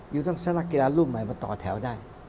อยู่ต่างสะนักเกราะลูกใหม่มาต่อแถวได้